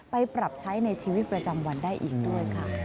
ไปปรับใช้ในชีวิตประจำวันได้อีกด้วยค่ะ